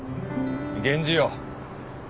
源氏よ